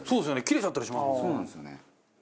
切れちゃったりしますもんね。